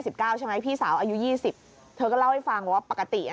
ใช่ไหมพี่สาวอายุยี่สิบเธอก็เล่าให้ฟังว่าปกติอ่ะ